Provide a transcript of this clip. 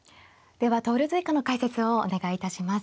では投了図以下の解説をお願いいたします。